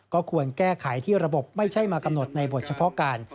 ก็ควรแก้ไขที่ระบบไม่ใช่มากำหนดในบทเฉพาะการ